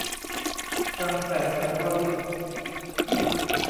คลังแสงสรรพาวุธ